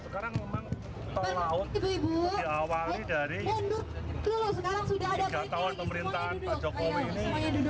kepala laut diawali dari tiga tahun pemerintahan pak jokowi ini